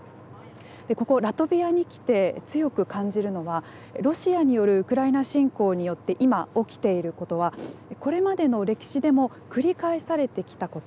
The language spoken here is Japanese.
ここラトビアに来て強く感じるのはロシアによるウクライナ侵攻によって今、起きていることはこれまでの歴史でも繰り返されてきたこと。